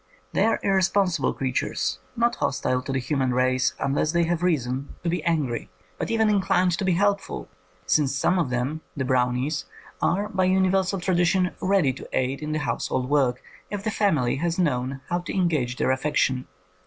They are irresponsible creatures, not hostile to the human race unless they have reason 145 THE COMING OF THE FAIRIES to be angry, but even inclined to be helpful, since some of them, the brownies, are, by universal tradition, ready to aid in the house hold work if the family has known how to engage their affection.